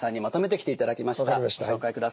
ご紹介ください。